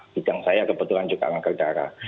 bidang saya kebetulan juga kanker darah